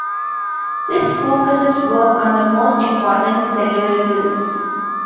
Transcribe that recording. This focuses work on the most important deliverables.